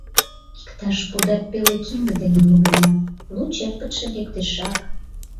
Иктаж пудат пеле кинде дене лугена, лу черпытше лектешак.